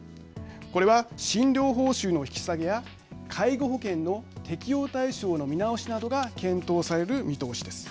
これは診療報酬の引き下げや介護保険の適用対象の見直しなどが検討される見通しです。